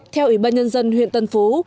theo ủy ban nhân dân huyện tân phú